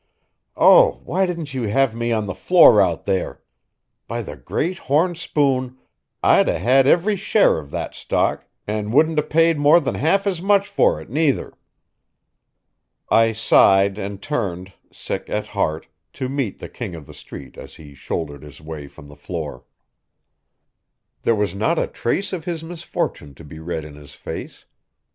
Oh, why didn't you have me on the floor out there? By the great horn spoon, I'd 'a' had every share of that stock, and wouldn't 'a' paid more than half as much for it, neither." I sighed and turned, sick at heart, to meet the King of the Street as he shouldered his way from the floor. There was not a trace of his misfortune to be read in his face.